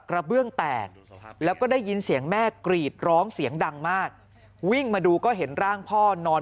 เบื้องแตกแล้วก็ได้ยินเสียงแม่กรีดร้องเสียงดังมากวิ่งมาดูก็เห็นร่างพ่อนอน